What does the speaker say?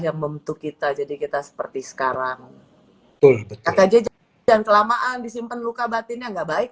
yang membentuk kita jadi kita seperti sekarang tuh kajian kelamaan disimpan luka batinnya nggak baik